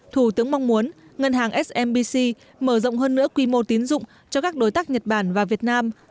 thủ tướng mong muốn ngân hàng smbc mở rộng hơn nữa quy mô tín dụng cho các đối tác nhật bản và việt nam